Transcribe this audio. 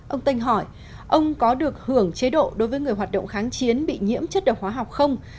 ông tênh hỏi ông có được hưởng chế độ đối với người hoạt động kháng chiến bị nhiễm chất độc hóa học không